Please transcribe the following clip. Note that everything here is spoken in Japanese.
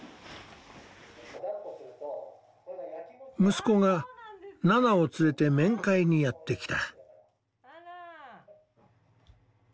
息子がナナを連れて面会にやって来た。